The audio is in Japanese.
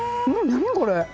何これ？